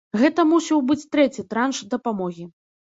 Гэта мусіў быць трэці транш дапамогі.